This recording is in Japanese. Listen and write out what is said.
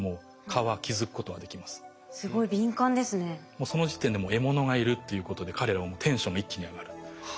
もうその時点でもう獲物がいるっていうことで彼らはもうテンションが一気に上がる。はあ。